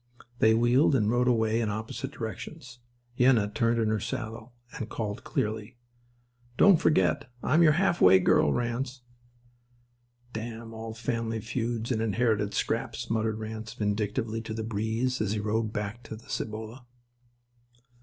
They wheeled and rode away in opposite directions. Yenna turned in her saddle and called clearly: "Don't forget I'm your half way girl, Ranse." "Damn all family feuds and inherited scraps," muttered Ranse vindictively to the breeze as he rode back to the Cibolo.